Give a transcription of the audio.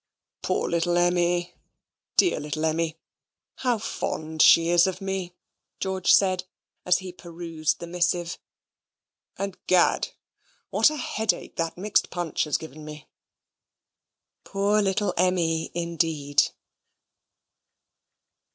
"Poor little Emmy dear little Emmy. How fond she is of me," George said, as he perused the missive "and Gad, what a headache that mixed punch has given me!" Poor little Emmy, indeed.